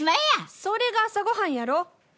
それが朝ごはんやろ。